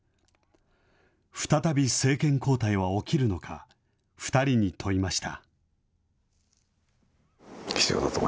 再び政権交代は起きるのか、２人に問いました。